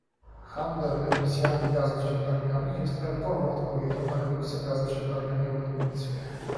Handel emisjami gazów cieplarnianych jest prawidłową odpowiedzią na redukcję gazów cieplarnianych w lotnictwie